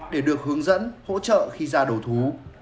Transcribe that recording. để được hướng dẫn hỗ trợ khi ra đầu thú